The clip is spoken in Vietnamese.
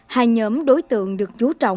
hai nhóm đối tượng được chú trọng